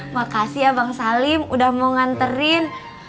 makasih ya bang salim udah mau nganterin